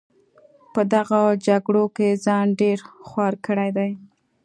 په دغه جګړو کې ځان ډېر خوار کړی دی.